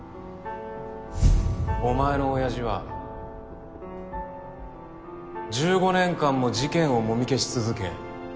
お前の親父は１５年間も事件をもみ消し続け